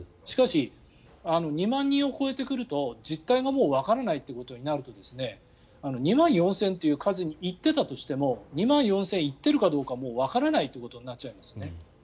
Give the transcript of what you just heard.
しかし、２万人を超えてくると実態がもうわからないということになると２万４０００という数に行っていたとしても２万４０００行っているかどうかわからないということになっちゃいますね。